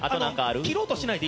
切ろうとしないで！